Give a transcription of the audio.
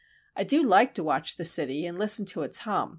"I do like to watch the city, and listen to its hum.